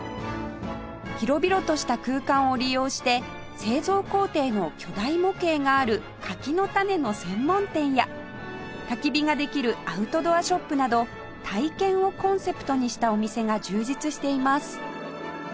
広々とした空間を利用して製造工程の巨大模型がある柿の種の専門店やたき火ができるアウトドアショップなど「体験」をコンセプトにしたお店が充実しています